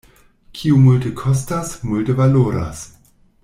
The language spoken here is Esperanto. Kio multe kostas, multe valoras.